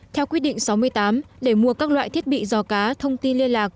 theo quyết định sáu mươi tám để mua các loại thiết bị giò cá thông tin liên lạc